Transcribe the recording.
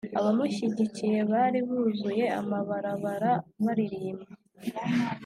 Abamushigikiye bari buzuye amabarabara baririmba